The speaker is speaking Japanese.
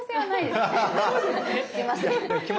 すいません。